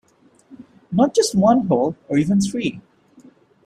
Not just one hole, or even three.